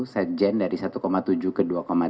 sekjen dari satu tujuh ke dua tiga